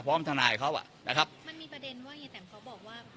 ทนายเขาอ่ะนะครับมันมีประเด็นว่ายายแตมเขาบอกว่า